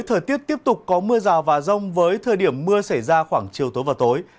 thời tiết tiếp tục có mưa rào và rông với thời điểm mưa xảy ra khoảng chiều tối và tối